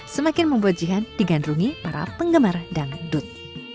semakin membuat jihan digandrungi para penggemar dangdut